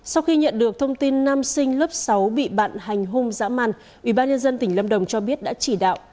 sau khi nhận được thông tin nam sinh lớp sáu bị bạn hành hung giã man ubnd tỉnh lâm đồng cho biết đã chỉ đạo